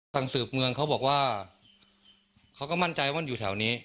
สืบเมืองเขาบอกว่าเขาก็มั่นใจว่ามันอยู่แถวนี้